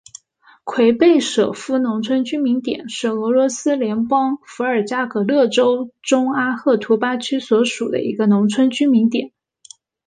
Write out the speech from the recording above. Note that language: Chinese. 奎贝舍夫农村居民点是俄罗斯联邦伏尔加格勒州中阿赫图巴区所属的一个农村居民点。